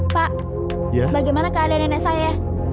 pak bagaimana keadaan nenek saya